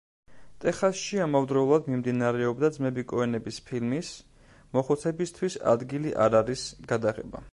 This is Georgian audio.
ტეხასში ამავდროულად მიმდინარეობდა ძმები კოენების ფილმის „მოხუცებისთვის ადგილი არ არის“ გადაღება.